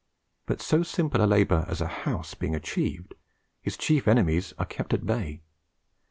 But so simple a labour as a house being achieved, his chief enemies are kept at bay.